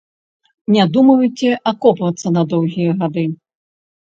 Не думайце акопвацца на доўгія гады!